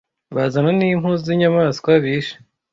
bazana n' impu z' inyamaswa bishe